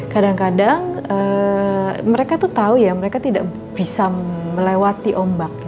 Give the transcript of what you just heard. kadang kadang mereka tuh tahu ya mereka tidak bisa melewati ombak